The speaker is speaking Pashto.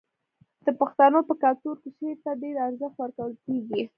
د پښتنو په کلتور کې شعر ته ډیر ارزښت ورکول کیږي.